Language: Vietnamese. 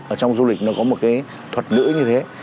ở trong du lịch nó có một cái thuật lưỡi